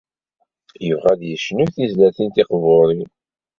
Yebɣa ad d-yecnu tizlatin tiqburin.